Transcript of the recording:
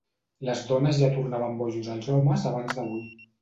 Les dones ja tornaven bojos als homes abans d'avui.